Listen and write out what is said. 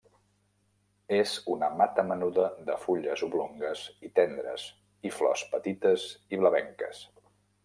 És una mata menuda de fulles oblongues i tendres i flors petites i blavenques.